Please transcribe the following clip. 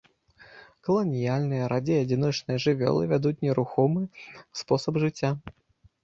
Каланіяльныя, радзей адзіночныя жывёлы, вядуць нерухомы спосаб жыцця.